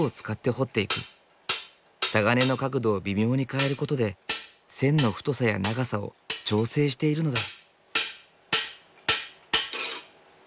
タガネの角度を微妙に変えることで線の太さや長さを調整しているのだ。